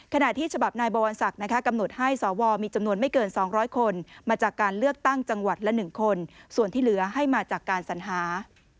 ขณะที่ฉบับนายบวรศักดิ์กำหนดให้สวมีจำนวนไม่เกิน๒๐๐คนมาจากการเลือกตั้งจังหวัดละ๑คนส่วนที่เหลือให้มาจากการสัญหา